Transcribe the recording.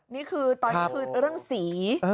นี่คือตอนนี้คือเรื่องสี